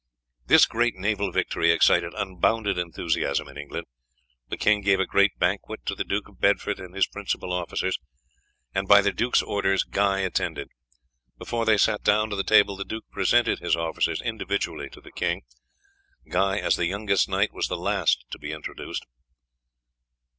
This great naval victory excited unbounded enthusiasm in England. The king gave a great banquet to the Duke of Bedford and his principal officers, and by the duke's orders Guy attended. Before they sat down to the table the duke presented his officers individually to the king. Guy, as the youngest knight, was the last to be introduced.